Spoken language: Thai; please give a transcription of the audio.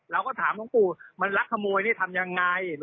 แล้วก็ถามน้องปุ๊บมันรักขโมยทำอย่างไร